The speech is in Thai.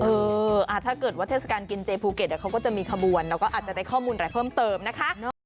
ถ้าเกิดว่าเทศกาลกินเจภูเก็ตเดี๋ยวเขาก็จะมีขบวนเราก็อาจจะได้ข้อมูลอะไรเพิ่มเติมนะคะ